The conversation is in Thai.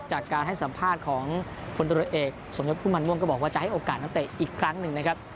จากการให้สัมภาษณ์ของคนตรวจเอกสมยศพุ่มมันม่วงก็บอกว่าจะให้โอกาสนักเตะอีกครั้งหนึ่งนะครับ